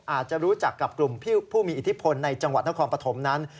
อาจจะรู้จักกับกลุ่มผู้มีอิทธิพลในจังหวัดนครปฐมนั้น